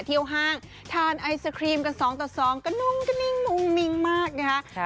เที่ยวห้างทานไอศครีมกันสองต่อสองกระนุ้งกระนิ้งมุ่งมิ้งมากนะคะ